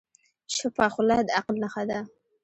چپه خوله، د عقل نښه ده.